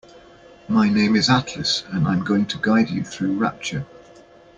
My name is Atlas and I'm going to guide you through Rapture.